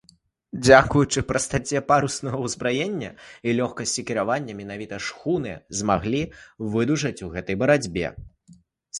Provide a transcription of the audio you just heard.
Дзякуючы прастаце паруснага ўзбраення і лёгкасці кіравання менавіта шхуны змаглі выдужаць у гэтай барацьбе.